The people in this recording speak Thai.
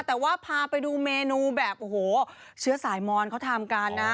แต่ว่าพาไปดูเมนูแบบโอ้โหเชื้อสายมอนเขาทำกันนะ